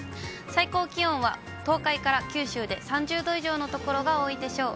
最高気温は東海から九州で３０度以上の所が多いでしょう。